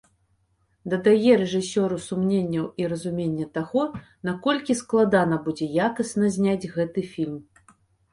Дадае рэжысёру сумненняў і разуменне таго, наколькі складана будзе якасна зняць гэты фільм.